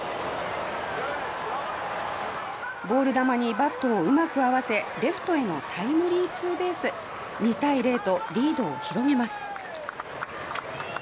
ボール球にバットをうまく合わせレフトへのタイムリーツーベース２対０とリードを広げます。